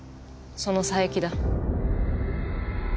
その佐伯だ。